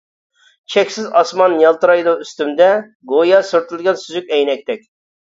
چەكسىز ئاسمان يالتىرايدۇ ئۈستۈمدە، گويا سۈرتۈلگەن سۈزۈك ئەينەكتەك.